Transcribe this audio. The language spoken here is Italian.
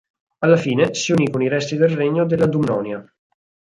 Alla fine, si unì con i resti del regno della Dumnonia.